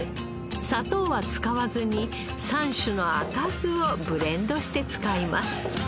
砂糖は使わずに３種の赤酢をブレンドして使います。